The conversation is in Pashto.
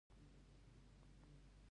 زما فشار وګورئ.